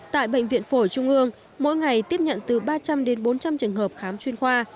tại bệnh viện phổi trung ương mỗi ngày tiếp nhận từ ba trăm linh đến bốn trăm linh trường hợp khám chuyên khoa